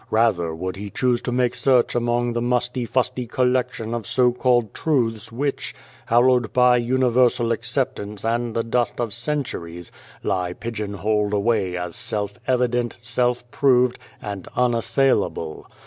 Rather would he choose to make search among the musty fusty collection of so called truths which hallowed by universal acceptance and the dust of centuries lie pigeon holed away as self evident, self proved and unassailable.